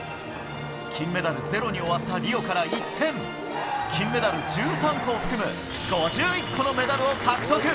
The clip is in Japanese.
金メダルゼロに終わったリオから一転、金メダル１３個を含む５１個のメダルを獲得。